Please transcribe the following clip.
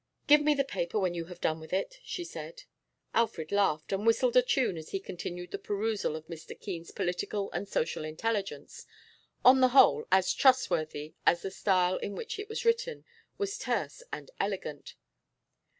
'Give me the paper when you have done with it,' she said. Alfred laughed, and whistled a tune as he continued the perusal of Mr. Keene's political and social intelligence, on the whole as trustworthy as the style in which it was written was terse and elegant.